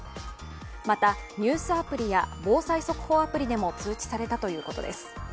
また、ニュースアプリや防災速報アプリでも通知されたということです。